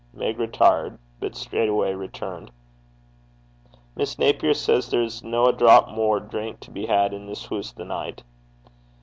Meg retired, but straightway returned. 'Miss Naper says there's no a drap mair drink to be had i' this hoose the nicht.'